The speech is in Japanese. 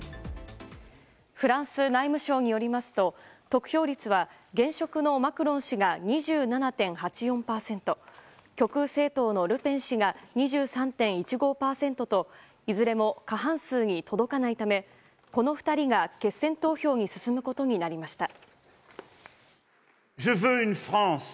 フランス内務省によりますと得票率は現職のマクロン氏が２７．８４％極右政党のルペン氏が２３．１５％といずれも過半数に届かないためこの２人が決選投票に進むことになりました。